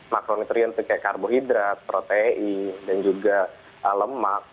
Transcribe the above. makronutrien itu kayak karbohidrat protein dan juga lemak